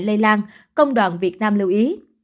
lây lan công đoàn việt nam lưu ý